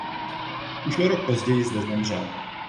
Už o rok později zde zemřel.